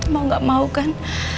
mau gak mau kan